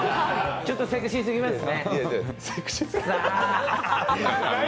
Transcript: ちょっとセクシーすぎますね。